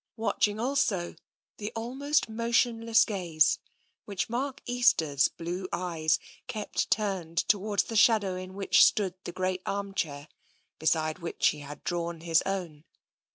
Watch ing also the almost motionless gaze which Mark Easter's blue eyes kept turned towards the shadow in which stood the great armchair, beside which he had drawn his own.